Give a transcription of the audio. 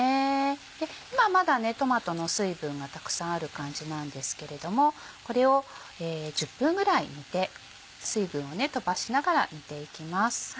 今まだトマトの水分がたくさんある感じなんですけれどもこれを１０分ぐらい煮て水分を飛ばしながら煮ていきます。